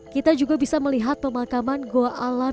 kita juga bisa melihat pemakaman goa alam